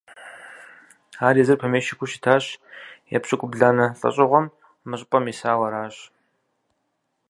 Ар езыр помещикыу щытащ, епщыкӀубгъуанэ лӀэщӀыгъуэм мы щӀыпӀэм исауэ аращ.